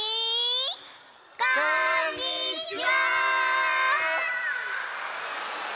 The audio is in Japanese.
こんにちは！